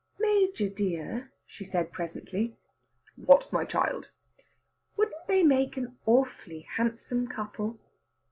"Major dear!" said she presently. "What, my child?" "Wouldn't they make an awfully handsome couple?"